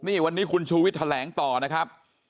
นี่วันนี้คุณชูวิทย์แถลงต่อนะครับ